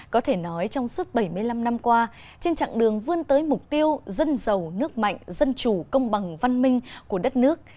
có thể nói trong suốt bảy mươi năm năm qua trên chặng đường vươn tới mục tiêu dân giàu nước mạnh dân chủ công bằng văn minh của đất nước